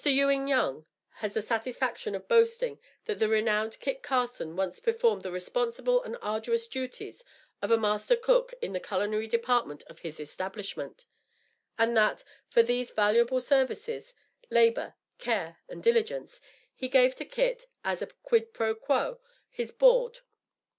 Ewing Young has the satisfaction of boasting that the renowned Kit Carson once performed the responsible and arduous duties of a master cook in the culinary department of his establishment; and that, for these valuable services, labor, care and diligence, he gave to Kit, as a quid pro quo, his board.